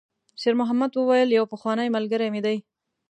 شېرمحمد وویل: «یو پخوانی ملګری مې دی.»